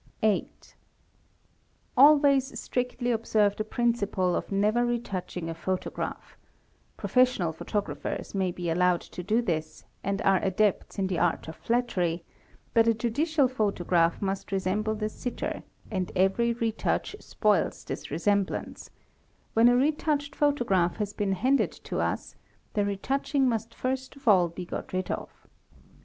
x 8. Always strictly observe the principle of never retouching photograph ; professional photographers may be allowed to do this a a are adepts in the art of flattery, but a judicial photograph must resembl a PHOTOGRAPHS OF CRIMINALS 269 | the sitter and every retouch spoils this resemblance ; when a retouched " photograph has been handed to us, the retouching must first of all be got rid of.